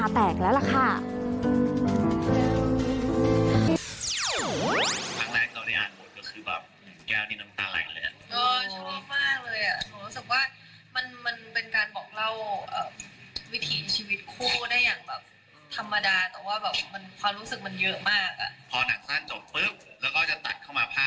แต่ว่าความรู้สึกมันเยอะมากอะ